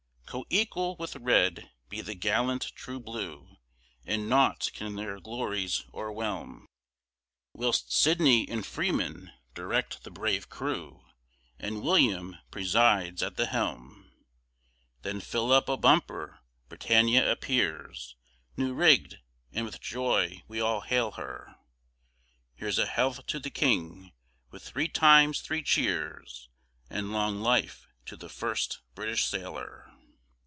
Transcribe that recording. Co equal with red be the gallant true blue, And nought can their glories o'erwhelm, Whilst Sydney & Freemen direct the brave crew, And William presides at the helm; Then fill up a bumper, Britannia appears New rigg'd, and with joy we all hail her, Here's a health to the King, with three times three cheers, And long life to the first British Sailor.